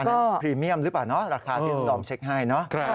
อันนี้พรีเมียมหรือเปล่าเนาะราคาที่ดอมเช็คให้เนอะ